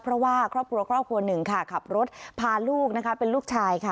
เพราะว่าครอบครัวครอบครัวหนึ่งค่ะขับรถพาลูกนะคะเป็นลูกชายค่ะ